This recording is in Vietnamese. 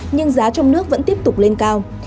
nhưng giá trong nước vẫn tiếp tục lên cao